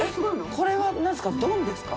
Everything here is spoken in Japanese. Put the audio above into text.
これは丼ですか？